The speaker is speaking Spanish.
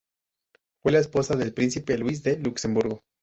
Fue la esposa del príncipe Luis de Luxemburgo.